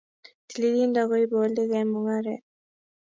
Tililindo koibu olik eng mung'aret